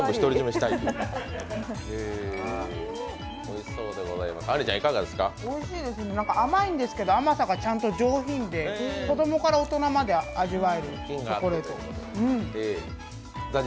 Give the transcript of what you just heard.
おいしいですね甘いんですけど甘さがちゃんと上品で子どもから大人まで味わえるチョコレート。